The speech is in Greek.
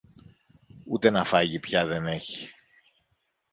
Ούτε να φάγει πια δεν έχει.